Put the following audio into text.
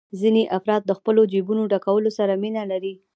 ځینې افراد د خپلو جېبونو ډکولو سره مینه لري